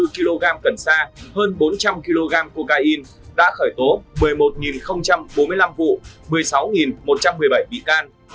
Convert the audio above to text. một trăm bảy mươi bốn kg cần sa hơn bốn trăm linh kg cocaine đã khởi tố một mươi một bốn mươi năm vụ một mươi sáu một trăm một mươi bảy bị can